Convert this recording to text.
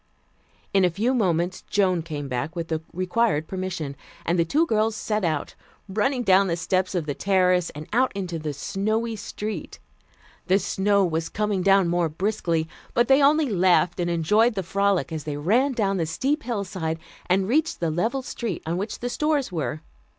In a few moments Joan came back with the required permission, and the two girls set out, running down the steps of the terrace and out into the snowy street. The snow was coming down more briskly, but they only laughed and enjoyed the frolic as they ran down the steep hillside and reached the level street on which the stores were.